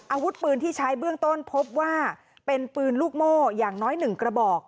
อาวุธปืนที่ใช้เบื้องต้นพบว่าเป็นปืนลูกโม่อย่างน้อย๑กระบอก